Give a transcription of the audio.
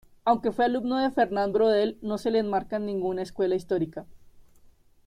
Aunque fue alumno de Fernand Braudel, no se le enmarca en ninguna escuela histórica.